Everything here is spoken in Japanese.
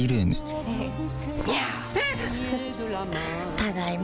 ただいま。